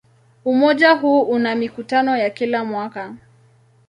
Umoja huu una mikutano ya kila mwaka.